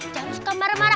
jangan suka marah marah